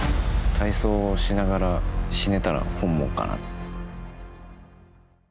体操をしながら死ねたら本望かな。